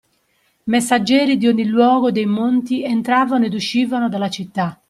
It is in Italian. Messaggeri di ogni luogo dei monti entravano ed uscivano dalla città.